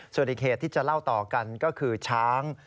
ส่วนอีกเหตุที่จะเล่าต่อกันก็คือช้าง